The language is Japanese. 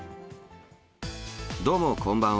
どうもこんばんは。